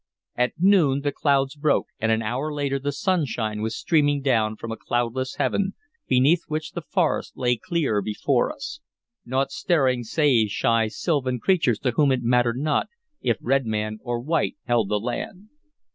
At noon the clouds broke, and an hour later the sunshine was streaming down from a cloudless heaven, beneath which the forest lay clear before us, naught stirring save shy sylvan creatures to whom it mattered not if red man or white held the land.